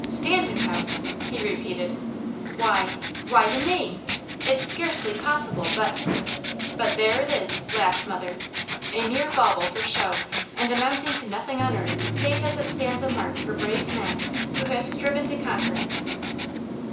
"Stanton house!" he repeated. "Why why, the name! It's scarcely possible, but " "But there it is!" laughed mother. "A mere bauble for show and amounting to nothing on earth save as it stands a mark for brave men who have striven to conquer."